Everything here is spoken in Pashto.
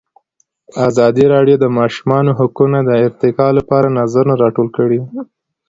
ازادي راډیو د د ماشومانو حقونه د ارتقا لپاره نظرونه راټول کړي.